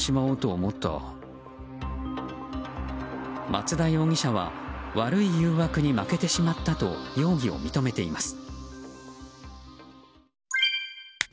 松田容疑者は悪い誘惑に負けてしまったと容疑を認めています。